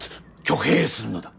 挙兵するのだ。